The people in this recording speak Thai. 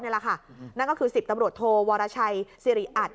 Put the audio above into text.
นั่นก็คือ๑๐ตำรวจโทวรชัยซิริอัต